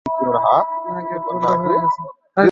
না, গেট বন্ধ হয়ে গেছে।